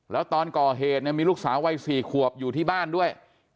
แล้วตอนก่อเหตุเนี่ยมีลูกสาววัย๔ขวบอยู่ที่บ้านด้วย